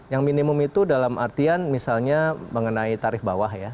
yang minimum itu dalam artian misalnya mengenai tarif bawah ya